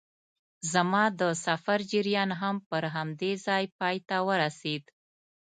زما د سفر جریان هم پر همدې ځای پای ته ورسېد.